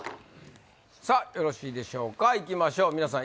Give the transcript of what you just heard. さっよろしいでしょうかいきましょう皆さん